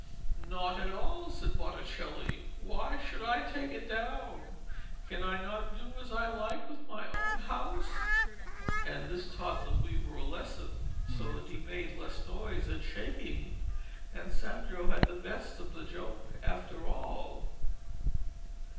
'Not at all,' said Botticelli. 'Why should I take it down? Can I not do as I like with my own house?' And this taught the weaver a lesson, so that he made less noise and shaking, and Sandro had the best of the joke after all.